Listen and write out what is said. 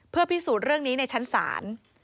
เพื่อพิสูจน์เรื่องนี้ในชั้นศาล